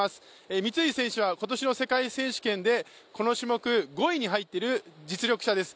三井選手は今年の世界選手権でこの種目５位に入っている実力者です